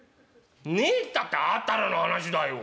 「ねえったってあったらの話だよ。